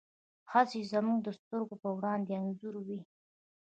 هڅې زموږ د سترګو په وړاندې انځوروي.